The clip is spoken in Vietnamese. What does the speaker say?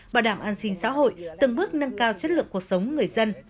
bảo đảm an sinh xã hội từng bước nâng cao chất lượng cuộc sống người dân